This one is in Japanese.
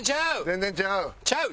全然ちゃう！